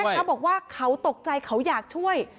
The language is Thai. พ่อค้าแม่ค้าบอกว่าเขาตกใจเขาอยากช่วย